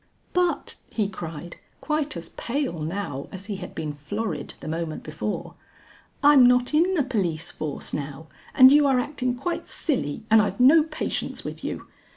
"But," he cried, quite as pale now as he had been florid the moment before, "I'm not in the police force now and you are acting quite silly and I've no patience with you."